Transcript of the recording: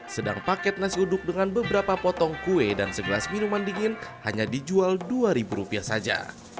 sedang paket nasi uduk dengan beberapa potong kue dan segelas minuman dingin hanya dijual dua ribu rupiah saja